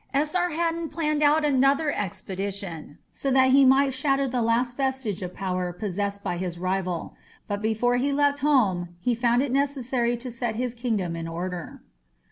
Esarhaddon planned out another expedition, so that he might shatter the last vestige of power possessed by his rival. But before he left home he found it necessary to set his kingdom in order.